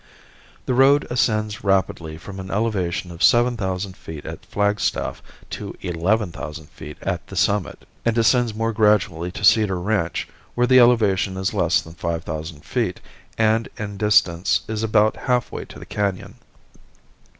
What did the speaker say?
The road ascends rapidly from an elevation of seven thousand feet at Flagstaff to eleven thousand feet at the summit, and descends more gradually to Cedar Ranch, where the elevation is less than five thousand feet and in distance is about halfway to the Canon.